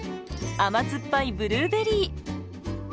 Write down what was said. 甘酸っぱいブルーベリー。